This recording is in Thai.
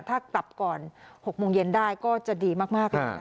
ถ้ากลับก่อน๖โมงเย็นได้ก็จะดีมากเลย